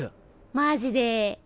マジで。